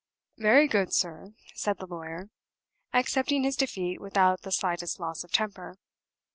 "Very good, sir," said the lawyer, accepting his defeat without the slightest loss of temper.